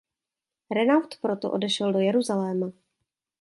Renaud proto odešel do Jeruzaléma.